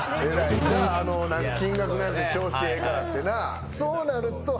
金額のやつ調子ええからってなあ。